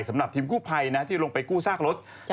สำหรับทีมกู้ภัยนะที่ลงไปกู้ซากรถ